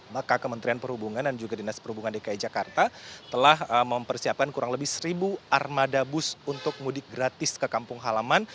maka kementerian perhubungan dan juga dinas perhubungan dki jakarta telah mempersiapkan kurang lebih seribu armada bus untuk mudik gratis ke kampung halaman